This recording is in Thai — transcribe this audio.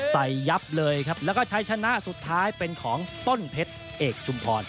ยับเลยครับแล้วก็ใช้ชนะสุดท้ายเป็นของต้นเพชรเอกชุมพร